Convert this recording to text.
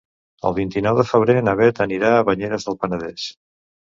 El vint-i-nou de febrer na Bet anirà a Banyeres del Penedès.